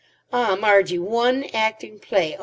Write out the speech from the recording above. Ah, Margie, one acting play!